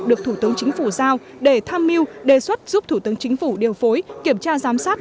được thủ tướng chính phủ giao để tham mưu đề xuất giúp thủ tướng chính phủ điều phối kiểm tra giám sát